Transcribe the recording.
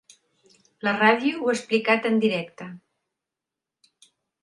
La ràdio ho ha explicat en directe.